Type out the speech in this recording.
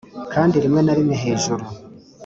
kandi rimwe na rimwe hejuru.